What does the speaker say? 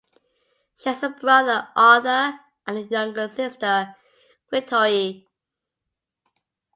She has a brother, Arthur, and a younger sister, Victoire.